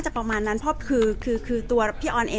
จะพยายามทำดีที่สุดเท่าที่ตัวเองจะทำได้แล้วก็คิดว่าแบบ